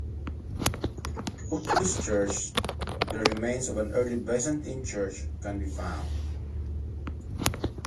Close to this church the remains of an Early Byzantine church can be found.